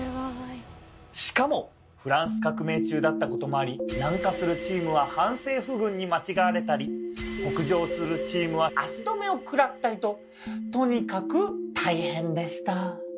しかもフランス革命中だったこともあり南下するチームは反政府軍に間違われたり北上するチームは足止めを食らったりととにかく大変でした。